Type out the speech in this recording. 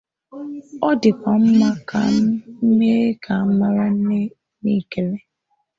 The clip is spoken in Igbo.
Ọ dịkwa mma ka m mee ka a mara na ekele